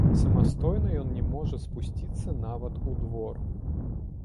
Самастойна ён не можа спусціцца нават у двор.